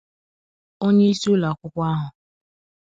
Onyeisi ụlọakwụkwọ ahụ